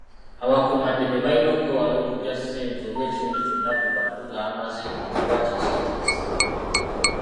Abakuumaddembe balina okwewala okuggya ssente oba ekintu kyonna ku bantu nga bamaze kubatiisatiisa.